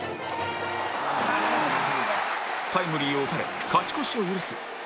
タイムリーを打たれ勝ち越しを許す